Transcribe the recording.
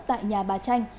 tại nhà bà tranh